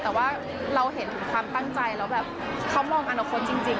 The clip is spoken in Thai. แต่ว่าเราเห็นถึงความตั้งใจแล้วแบบเขามองอนาคตจริง